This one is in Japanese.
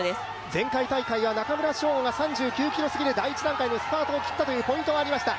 前回大会は中村匠吾が３９ｋｍ過ぎで第１段階のスパートを切ったというポイントがありました。